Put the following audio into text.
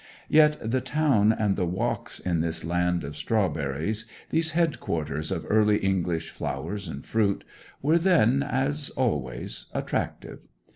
Yet the town and the walks in this land of strawberries, these headquarters of early English flowers and fruit, were then, as always, attractive.